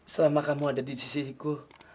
selama kamu ada di sisiku